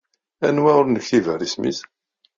Anwa ur nektib ara isem-is?